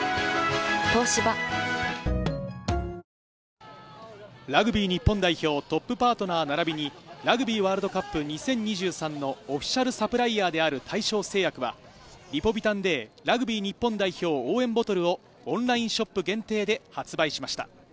東芝ラグビー日本代表トップパートナーならびにラグビーワールドカップ２０２３のオフィシャルサプライヤーである大正製薬は、リポビタンＤラグビー日本代表応援ボトルをオンラインショップ限定で発売しました。